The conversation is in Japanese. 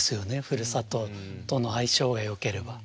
ふるさととの相性がよければ。